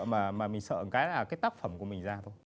mà mình sợ cái tác phẩm của mình ra thôi